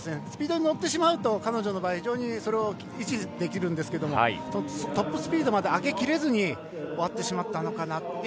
スピードに乗ってしまうと彼女の場合それを維持できるんですけどトップスピードまで上げきれずに終わってしまったのかなと。